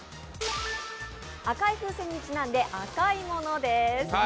赤い風船にちなんで赤いものです。